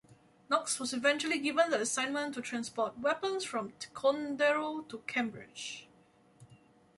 Knox was eventually given the assignment to transport weapons from Ticonderoga to Cambridge.